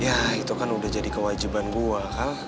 ya itu kan udah jadi kewajiban gue